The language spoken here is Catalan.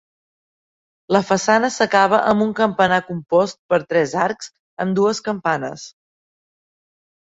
La façana s'acaba amb un campanar compost per tres arcs amb dues campanes.